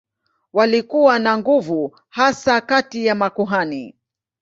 Walikuwa na nguvu hasa kati ya makuhani.